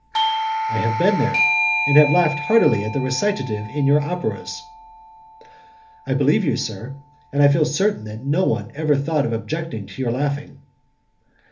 "I have been there, and have laughed heartily at the recitative in your operas." "I believe you, sir, and I feel certain that no one ever thought of objecting to your laughing."